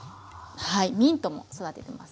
ミントも育てています。